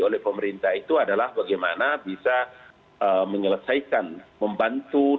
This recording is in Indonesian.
oleh pemerintah itu adalah bagaimana bisa menyelesaikan membantu